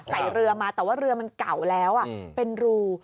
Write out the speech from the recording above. ใส่เรือมาแต่ว่าเรือมันเก่าแล้วเป็นรู